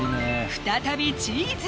再びチーズ！